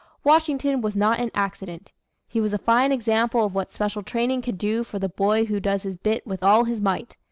Washington was not an accident. He was a fine example of what special training can do for the boy who does his bit with all his might.